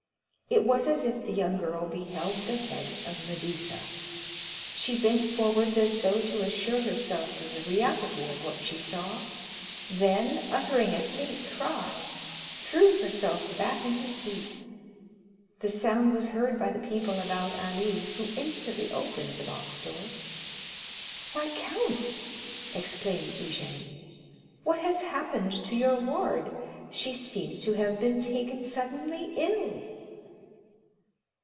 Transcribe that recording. It was as if the young girl beheld the head of Medusa. She bent forwards as though to assure herself of the reality of what she saw, then, uttering a faint cry, threw herself back in her seat. The sound was heard by the people about Ali, who instantly opened the box door. "Why, count," exclaimed Eugénie, "what has happened to your ward? she seems to have been taken suddenly ill.